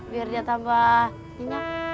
biar dia tambah nyenyak